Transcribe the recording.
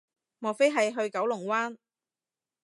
莫非係去九龍灣